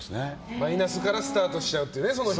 マイナスからスタートしちゃうというね。